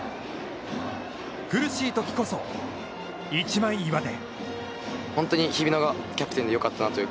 苦しいときこそ一枚岩で。